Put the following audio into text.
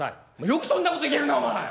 「よくそんなこと言えるなお前！